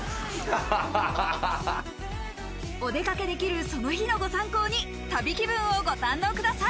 お出かけできるその日のご参考に旅気分をご堪能ください。